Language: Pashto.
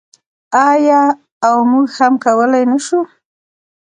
آیا او موږ هم کولی نشو؟